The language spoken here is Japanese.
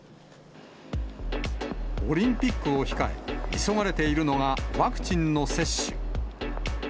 オリンピックを控え、急がれているのが、ワクチンの接種。